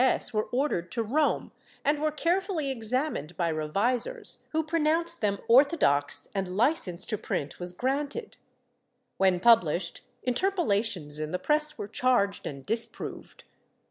XI] NATURE OF THE HERESY 285 were ordered to Rome and were carefully examined by revisers, who pronounced them orthodox and Jiccnce to print was granted. When published, interpolations in the press were charged and disproved.